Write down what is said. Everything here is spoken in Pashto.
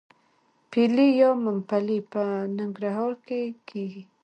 پلی یا ممپلی په ننګرهار کې کیږي.